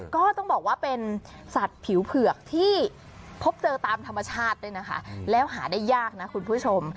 ก็ต้องบอกว่าเป็นสัตว์ผิวเผือกที่พบเจอตามธรรมชาติด้วยนะคะแล้วหาได้ยากนะคุณผู้ชม